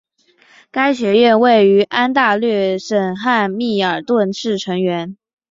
该学院位于安大略省汉密尔顿市成员。